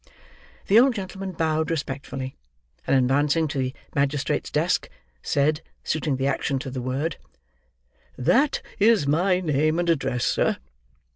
The old gentleman bowed respectfully; and advancing to the magistrate's desk, said, suiting the action to the word, "That is my name and address, sir."